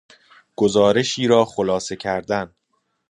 گزارشی را خلاصه کردن